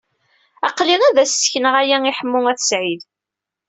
Aql-i ad as-sekneɣ aya i Ḥemmu n At Sɛid.